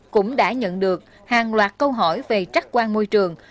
cũng đã nhận được hàng loạt câu hỏi về trách quan môi trường